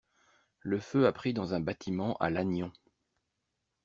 Le feu a pris dans un bâtiment à Lannion.